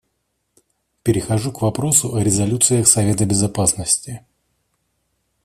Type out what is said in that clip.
Перехожу к вопросу о резолюциях Совета Безопасности.